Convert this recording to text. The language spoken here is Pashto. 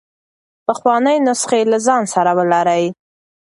پخوانۍ نسخې له ځان سره ولرئ.